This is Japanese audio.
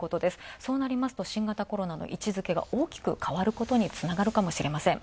そうなると新型コロナの位置づけが大きく変ることにつながるかもしれません。